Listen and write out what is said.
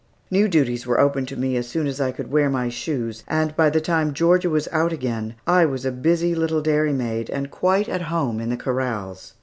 New duties were opened to me as soon as I could wear my shoes, and by the time Georgia was out again, I was a busy little dairymaid, and quite at home in the corrals.